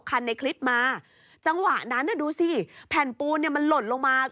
คันในคลิปมาจังหวะนั้นน่ะดูสิแผ่นปูนเนี่ยมันหล่นลงมา